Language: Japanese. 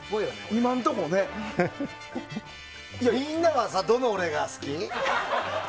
みんなはどの俺が好き？